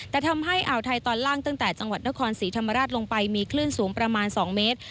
แต่ทำให้อ่าวไทยตอนล่างตั้งแต่จังหวัดนครศรีธรรมราชลงไปมีคลื่นสูงประมาณ๒เมตร